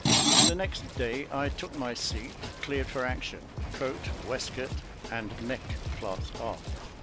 The next day I took my seat, cleared for action coat, waistcoat, and neckcloth off.